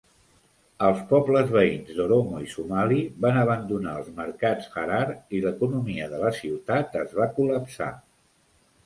Els pobles veïns d"Oromo i Somali van abandonar els mercats Harar i l"economia de la ciutat es va col·lapsar.